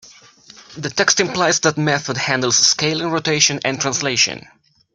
The text implies that method handles scaling, rotation, and translation.